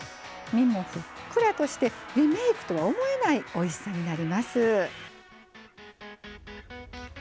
身もふっくらとしてリメイクとは思えないおいしさになります。